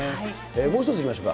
もう一ついきましょうか。